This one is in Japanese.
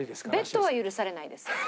ベッドは許されないです。